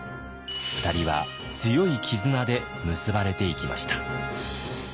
２人は強い絆で結ばれていきました。